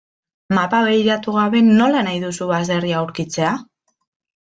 Mapa begiratu gabe nola nahi duzu baserria aurkitzea?